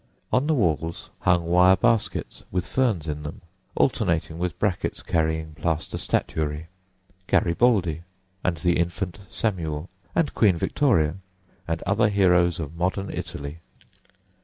On the walls hung wire baskets with ferns in them, alternating with brackets carrying plaster statuary—Garibaldi, and the infant Samuel, and Queen Victoria, and other heroes of modern Italy.